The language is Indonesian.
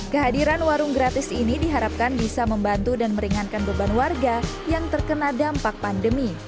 kehadiran warung gratis ini diharapkan bisa membantu dan meringankan beban warga yang terkena dampak pandemi